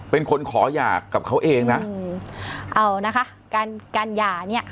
เป็นคนขอหย่ากับเขาเองนะอืมเอานะคะการการหย่าเนี้ย